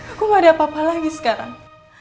aku gak ada apa apa lagi sekarang